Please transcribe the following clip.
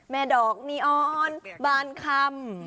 แม่ดอกนีออนบานคำ